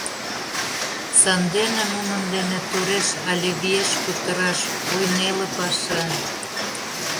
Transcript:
Сандене нунын дене тореш але виеш кутыраш — ой, неле паша!